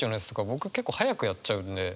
僕結構早くやっちゃうんで。